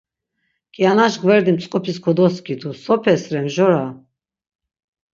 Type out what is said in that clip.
Kianaş gverdi mtzǩupis kodoskidu, sopes re mjora?